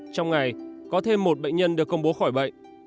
trong ngày có thêm một bệnh nhân được công bố khỏi bệnh